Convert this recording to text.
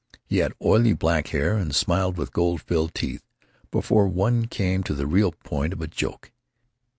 He had oily black hair, and smiled with gold filled teeth before one came to the real point of a joke.